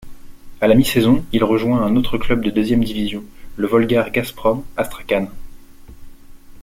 À la mi-saison, il rejoint un autre club de deuxième division, le Volgar-Gazprom Astrakhan.